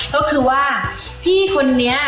ก็คือว่าพี่คนนี้